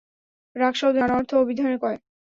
রাগ শব্দে নানা অর্থ অভিধানে কয়।